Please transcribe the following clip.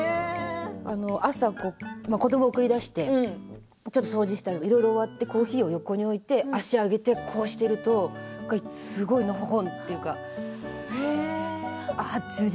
朝、子どもを送り出してちょっと掃除したり、いろいろ終わってコーヒーを横に置いて足を上げて見ているとすごくのほほんというか充実